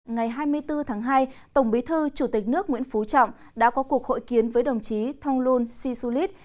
ngày hai mươi bốn tháng hai tổng bí thư chủ tịch nước nguyễn phú trọng đã có cuộc hội kiến với đồng chí thông luân si su lít